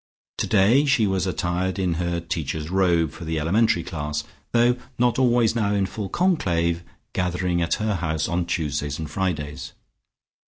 Today she was attired in her Teacher's Robe, for the elementary class, though not always now in full conclave, gathered at her house on Tuesdays and Fridays.